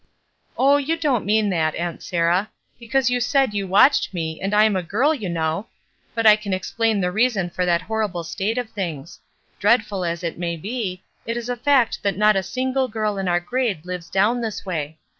''Oh, you don't mean that, Aunt Sarah, be cause you said you watched me, and I'm a girl, you know. But I can explain the reason for that horrible state of things. Dreadful as it may be, it is a fact that not a single girl in our grade THORNS 43 lives down this way.